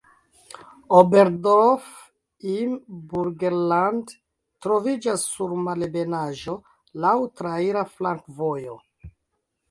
Oberdorf im Burgenland troviĝas sur malebenaĵo, laŭ traira flankovojo.